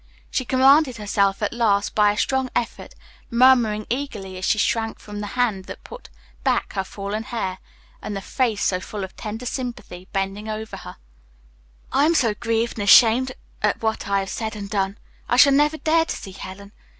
She commanded herself at last by a strong effort, murmuring eagerly as she shrank from the hand that put back her fallen hair, and the face so full of tender sympathy bending over her: "I am so grieved and ashamed at what I have said and done. I shall never dare to see Helen.